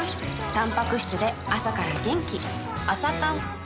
たんぱく質で朝から元気